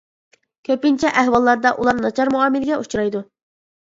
كۆپىنچە ئەھۋاللاردا ئۇلار ناچار مۇئامىلىگە ئۇچرايدۇ.